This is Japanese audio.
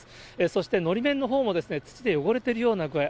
そしてのり面のほうも土で汚れているような具合。